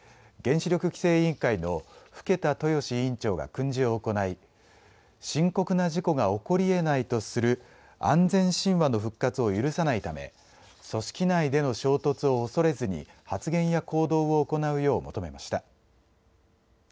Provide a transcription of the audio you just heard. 原子力規制委員会の更田豊志委員長が訓示を行い深刻な事故が起こりえないとする安全神話の復活を許さないため組織内での衝突を恐れずに発言や行動を行うよう求めました。